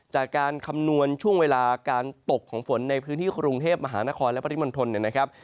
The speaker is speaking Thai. คำนวณช่วงเวลาการตกของฝนในพื้นที่กรุงเทพมหานครและปริมณฑลนะครับ